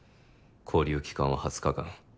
勾留期間は２０日間。